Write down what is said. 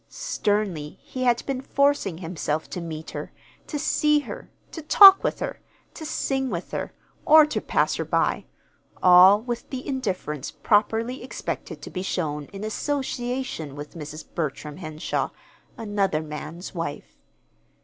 Sternly he had been forcing himself to meet her, to see her, to talk with her, to sing with her, or to pass her by all with the indifference properly expected to be shown in association with Mrs. Bertram Henshaw, another man's wife.